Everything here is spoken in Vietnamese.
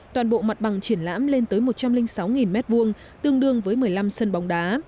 toàn bộ mặt bằng triển lãm lên tới một trăm linh sáu m hai tương đương với một mươi năm sân bóng đá